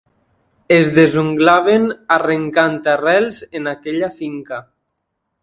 Es desunglaven arrencant arrels en aquella finca.